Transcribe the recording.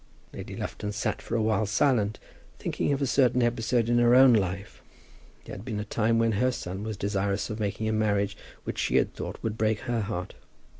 Lady Lufton sat for a while silent, thinking of a certain episode in her own life. There had been a time when her son was desirous of making a marriage which she had thought would break her heart.